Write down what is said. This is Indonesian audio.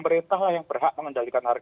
pemerintah lah yang berhak mengendalikan harga